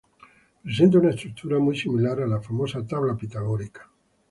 Presenta una estructura muy similar a la famosa tabla pitagórica.